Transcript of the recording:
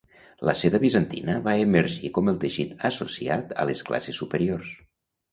La seda bizantina va emergir com el teixit associat a les classes superiors.